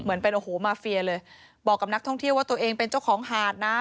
เป็นโอ้โหมาเฟียเลยบอกกับนักท่องเที่ยวว่าตัวเองเป็นเจ้าของหาดนะ